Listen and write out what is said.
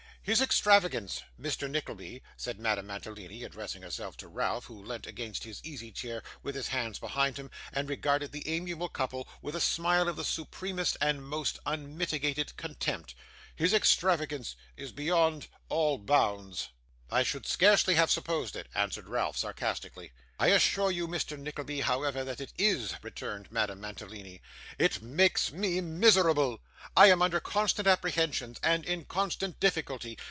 'His extravagance, Mr. Nickleby,' said Madame Mantalini, addressing herself to Ralph, who leant against his easy chair with his hands behind him, and regarded the amiable couple with a smile of the supremest and most unmitigated contempt, 'his extravagance is beyond all bounds.' 'I should scarcely have supposed it,' answered Ralph, sarcastically. 'I assure you, Mr. Nickleby, however, that it is,' returned Madame Mantalini. 'It makes me miserable! I am under constant apprehensions, and in constant difficulty.